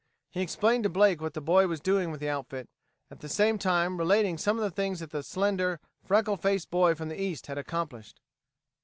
He explained to Blake what the boy was doing with the outfit, at the same time relating some of the things that the slender, freckle faced boy from the East had accomplished.